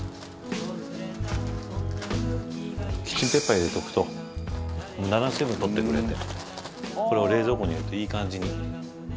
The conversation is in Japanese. キッチンペーパーを入れておくと無駄な水分を取ってくれてこれを冷蔵庫に入れるといい感じにハリハリになります。